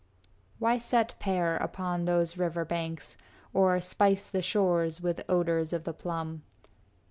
Why set pear upon those river banks Or spice the shores with odors of the plum?